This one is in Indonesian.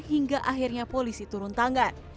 hingga akhirnya polisi turun tangan